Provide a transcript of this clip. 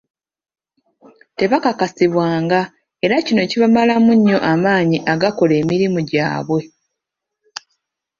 Tebakakasibwanga, era kino kibamalamu nnyo amaanyi agakola emirimu jabwe.